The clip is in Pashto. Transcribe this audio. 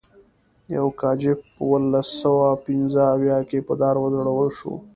یوګاچف په اوولس سوه پنځه اویا کې په دار وځړول شو.